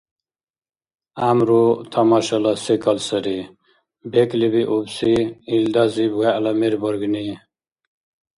ГӀямру — тамашала секӀал сари, бекӀлибиубси — илдазиб вегӀла мер баргни.